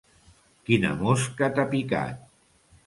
Quina mosca t'ha picat.